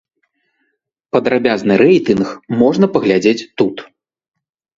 Падрабязны рэйтынг можна паглядзець тут.